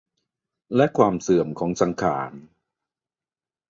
และความเสื่อมของสังขาร